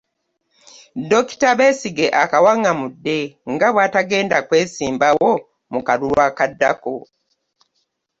Dokita Besigye akawangamudde nga bw'atagenda kwesimbawo mu kalulu akaddako